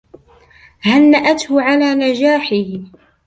هنأته على نجاحه.